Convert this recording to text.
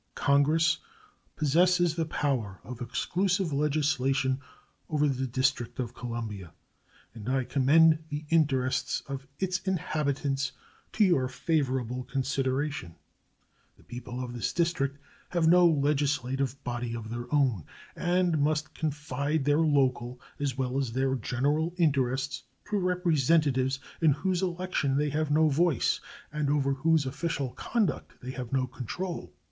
Congress possess the power of exclusive legislation over the District of Columbia, and I commend the interests of its inhabitants to your favorable consideration. The people of this District have no legislative body of their own, and must confide their local as well as their general interests to representatives in whose election they have no voice and over whose official conduct they have no control.